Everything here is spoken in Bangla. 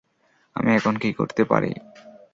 আমি এখন কী করতে পারি?